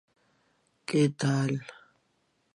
Por esta zona discurre el Camino de Santiago del Norte.